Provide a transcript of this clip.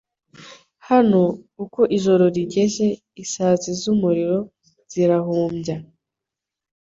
Hano, uko ijoro rigeze, isazi zumuriro zirahumbya